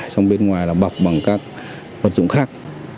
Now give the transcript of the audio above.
xong bên ngoài là bọc bằng các vật dụng khác